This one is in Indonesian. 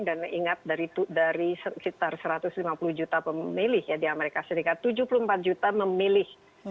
dan ingat dari sekitar satu ratus lima puluh juta pemilih di amerika serikat tujuh puluh empat juta memilih